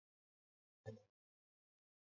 lemkin aliandika historia ya mauaji ya kimbari